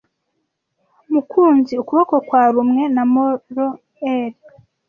Mukunzi ukuboko kwarumwe na moray eel.